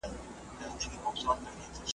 د چا جذبات خو سنګدلان نۀ ګوري